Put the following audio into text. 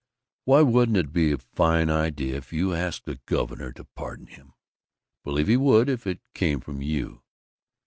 Why wouldn't it be a fine idea if you asked the governor to pardon him? Believe he would, if it came from you.